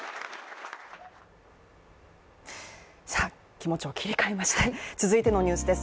気持ちを切り替えまして、続いてのニュースです。